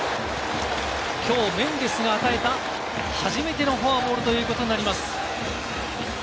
きょうメンデスが与えた初めてのフォアボールということになります。